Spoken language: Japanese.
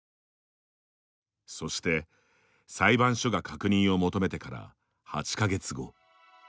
そして、裁判所が確認を求めてから８か月後。